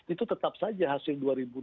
itu tetap saja hasil dua ribu sembilan belas